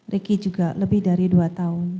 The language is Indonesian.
ricky juga lebih dari dua tahun